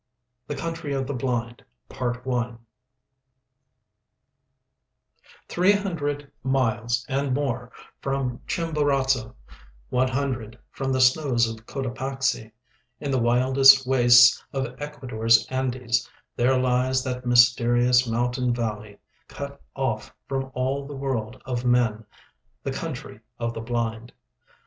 THE COUNTRY OF THE BLIND Three hundred miles and more from Chimborazo, one hundred from the snows of Cotopaxi, in the wildest wastes of Ecuador's Andes, there lies that mysterious mountain valley, cut off from all the world of men, the Country of the Blind.